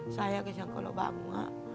saya kasih yang kalau bangun pak